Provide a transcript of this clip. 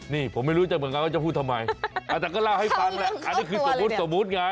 นี่ผมไม่รู้จะเหมือนกันว่าจะพูดทำไมแต่ก็เล่าให้ฟังแหละอันนี้คือสมมุติสมมุติไง